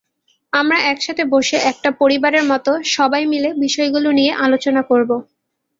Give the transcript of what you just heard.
আমরা একসাথে বসে একটা পরিবারের মতো সবাই মিলে বিষয়গুলো নিয়ে আলোচনা করব!